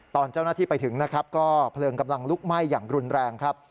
ตอนเจ้าหน้าที่ไปถึงนะครับก็เพลิงกำลังลุกไหม้อย่างรุนแรงครับ